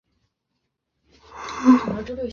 翘距根节兰为兰科节兰属下的一个种。